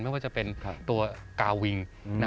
ไม่ว่าจะเป็นตัวกาวิง